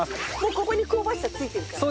ここに香ばしさついてるからね。